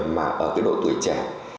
mà ở đội tuổi trẻ